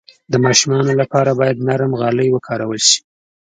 د ماشومانو لپاره باید نرم غالۍ وکارول شي.